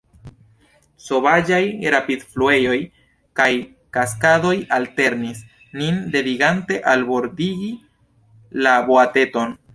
Sovaĝaj rapidfluejoj kaj kaskadoj alternis, nin devigante albordigi la boateton.